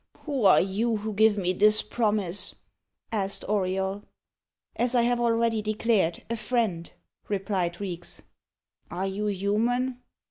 "Who are you who give me this promise?" asked Auriol. "As I have already declared, a friend," replied Reeks. "Are you human?"